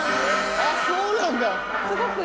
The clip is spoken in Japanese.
あっそうなんだ。